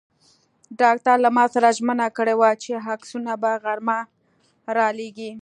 ډاکټر له ما سره ژمنه کړې وه چې عکسونه به غرمه را لېږي.